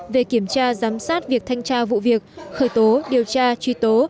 về kiểm tra giám sát việc thanh tra vụ việc khởi tố điều tra truy tố